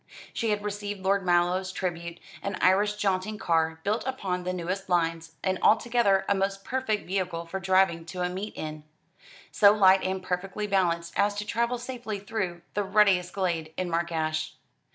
She had received Lord Mallow's tribute, an Irish jaunting car, built upon the newest lines, and altogether a most perfect vehicle for driving to a meet in, so light and perfectly balanced as to travel safely through the ruttiest glade in Mark Ash.